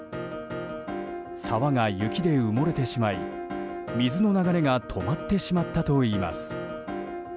沢が雪で埋もれてしまい水の流れが止まってしまったといいます。